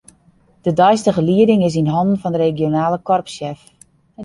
De deistige lieding is yn hannen fan de regionale korpssjef.